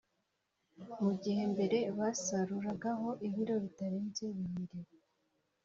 mu gihe mbere basaruragaho ibiro bitarenze bibiri